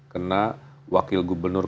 kena wakil gubernur